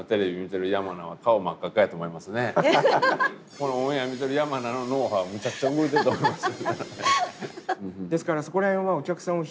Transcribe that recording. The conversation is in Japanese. このオンエア見てる山名の脳波はむちゃくちゃ動いてると思いますよ。